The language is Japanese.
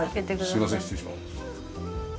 すみません失礼します。